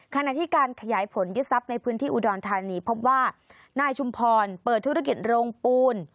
ขณะที่การขยายผลยึดทรัพย์ในพื้นที่อุดรธานีพบว่านายชุมพรเปิดธุรกิจโรงปูน